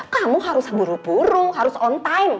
kamu harus buru buru harus on time